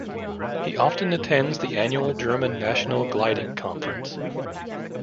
He often attends the annual German national gliding conference.